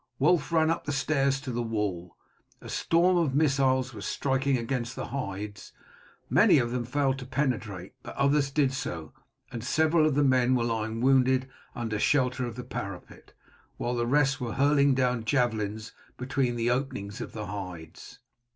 Wulf ran up the stairs to the wall. A storm of missiles was striking against the hides; many of them failed to penetrate, but others did so, and several of the men were lying wounded under shelter of the parapet, while the rest were hurling down javelins between the openings of the hides.